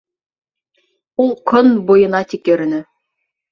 Ул кон буйына тик йөрөнө